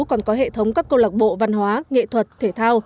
còn có hệ thống các câu lạc bộ văn hóa nghệ thuật thể thao